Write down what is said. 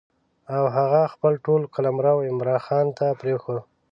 او هغه خپل ټول قلمرو عمرا خان ته پرېښود.